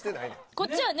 こっちはね